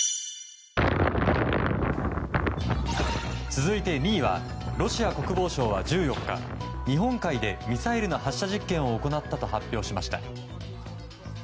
続いて２位はロシア国防省は１４日日本海でミサイルの発射実験を行ったと発表しました。